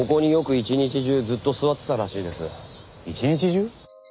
一日中？